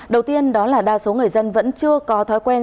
đầu tiên đó là đa số người dân vẫn chưa có thói quen